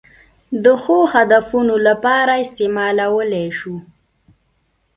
د ښو هدفونو لپاره استعمالولای شو.